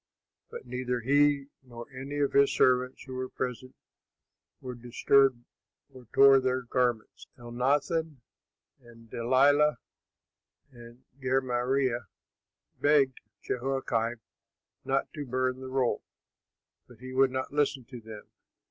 But neither he nor any of his servants who were present, were disturbed or tore their garments. Elnathan and Delaiah and Gemariah begged Jehoiakim not to burn the roll, but he would not listen to them.